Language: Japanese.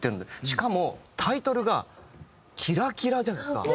しかもタイトルが『キラキラ』じゃないですか。